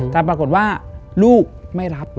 แต่ปรากฏว่าลูกไม่รับ